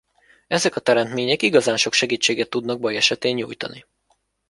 Ezek a teremtmények igazán sok segítséget tudnak baj esetén nyújtani.